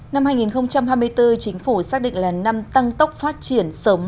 năm hai nghìn hai mươi bốn chính phủ xác định là năm tăng tốc phát triển sở hữu